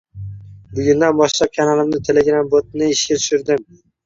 Bugundan boshlab kanalimda telegram botni ishga tushirdim.